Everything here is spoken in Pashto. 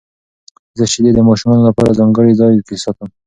زه شیدې د ماشومانو لپاره ځانګړي ځای کې ساتم.